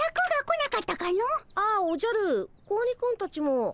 ああおじゃる子鬼くんたちも。